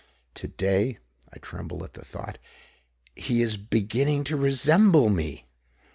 Today I tremble at the thought he is beginning to resemble me!